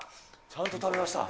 ちゃんと食べました。